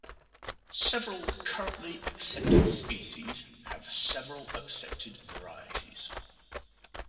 Several currently accepted species have several accepted varieties.